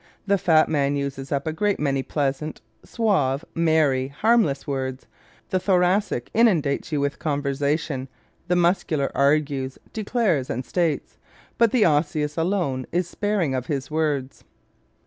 The fat man uses up a great many pleasant, suave, merry, harmless words; the Thoracic inundates you with conversation; the Muscular argues, declares and states; but the Osseous alone is sparing of his words.